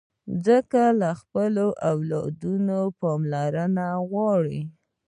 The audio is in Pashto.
مځکه له خپلو اولادونو پاملرنه غواړي.